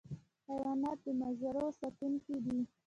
حیوانات د مزرعو ساتونکي دي.